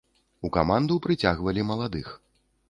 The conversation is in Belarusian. У каманду прыцягвалі маладых.